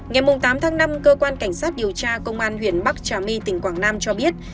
ngày tám tháng năm cơ quan cảnh sát điều tra công an huyện bắc trà my tỉnh quảng nam cho biết